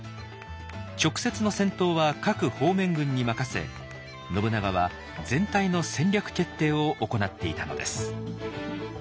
直接の戦闘は各方面軍に任せ信長は全体の戦略決定を行っていたのです。